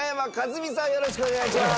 よろしくお願いします。